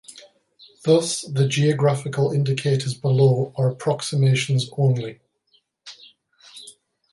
Thus, the geographical indicators below are approximations only.